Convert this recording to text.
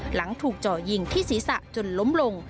หลังถูกเจาะยิงที่ศีรษะจนล้มลง